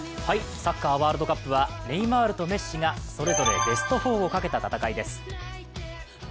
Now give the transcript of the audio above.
サッカーワールドカップはネイマールとメッシがそれぞれベスト４をかけた戦いです。